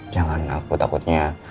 jangan aku takutnya